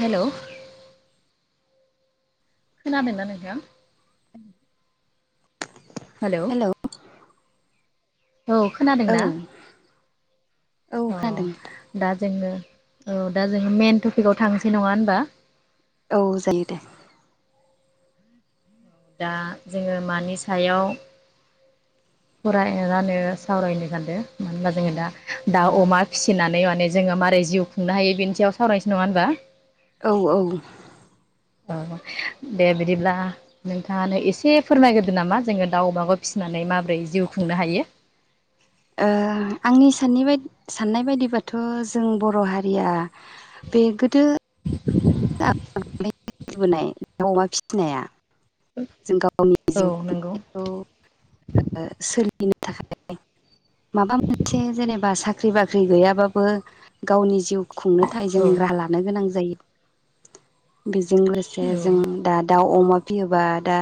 हेल'। खोनादोंना नोंथां? Hello. Hello औ औ खोनादोंना औ दा जोंनो औ दा जोहा मेन टपिकाव थांसै नङा होनबा। औ जायो दे। दा जोङो मानि सायाव फरायानो सावरायनो सानदों मानो होनबा जोङो दा दाउ अमा फिसिनानै माने जोङो मारै जिउ खुंनो हायो बेनि सायाव सावरायनोसै नङा होनबा? औ औ। औ दे बिदिब्ला नोंथाङानो एसे फोरमायग्रोदो नामा जोङो दाउ अमाखौ फिसिनानै माबोरै जिउ खुंनो हायो। ओ आंनि सान ब साननाय बायदिबाथ' जों बर' हारिया बे गोदो [unintelligible] [unintelligible] अमा फिसिनाया जों गावनि औ जिउ नंगौ खुंखौ [unintelligible] थाखाय माबा मोनसे जेनेबा साख्रि बाख्रि गैयाबाबो गावनि जिउ खुंनो थाखाय औ जों राहा लानो गोनां जायो। बि जों लोगोसे औ जों दा दाउ अमा फियोबा दा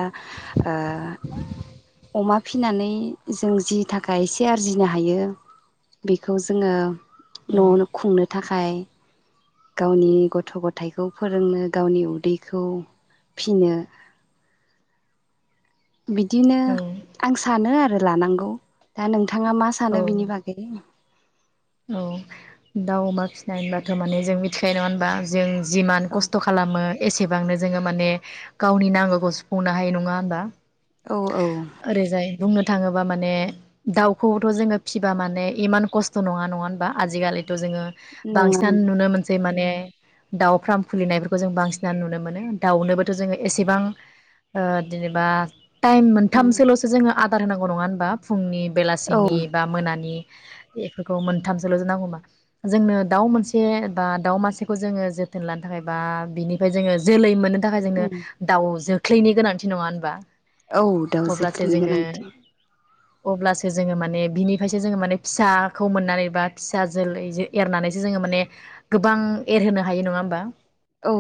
ओ अमा फिनानै जों जि थाखाय एसे आरजिनो हायो बेखौ जोङो न'आवनो औ खुंनो थाखाय गावनि गथ' गथायाइखौ फोरोंनो गावनि उदैखौ फिनो बिदिनो आं सानो आरो लानांगौ दा नोंथां थाङा मा औ सानो बिनि बागै औ दाउ अमा फिसिनाय होनबाथ' माने जों मिथिखायो नङा होनबा जों जिमान औ खस्थ' खालामो एसेबांनो जोङो माने गावनि नांगौखौ सुफुंनो हायो नङा होनबा? औ औ ओरैजाय बुंनो थाङोब्ला माने दाउखौथ' जोङो फिबा माने इमान खस्थ नङा नङा होनबा आजिखालिथ' जोङो नङा बांसिनानो नुनो मोनसै माने ने दाउ फ्राम खुलिनायफोरखौ जों बांसिन नुनो मोनो दाउनोबोथ' जोङो एसेबां ओ जेनेबा टाइम मोनथामसोल'सो जोङो आ अआदार होनांगौ नङा होमबा फुंनि औ बेलासिनि बा मोनानि बेफोरखौ मोनथामसोल' जो नांगौमा जोंनो दाउ मोनसे बा दाउ मासेखौ जोङो जोथोन लानो थाखाय बा बिनिफ्राय जोङो जोलै मोनो थाखाय जोंनो दाउजो ख्लैनि गोनांथि नङा होनबा? औ दाउ अब्लासो जोखलिनि जोङो गोनांथि अब्लासो जोङो माने बिनिफ्रायसो जोङो माने फिसा खौ मोननानै बा फिसा जोलै एरनानैसो जोङो माने गोबां एरहोनो हायो नङा होमबा। औ